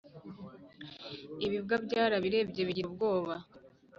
Ibirwa byarabirebye bigira ubwoba,